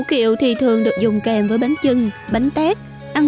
mình có thể dùng nhiều đâu